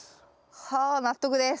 はあ納得です。